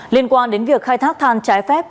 liên quan đến việc khai thác than trái phép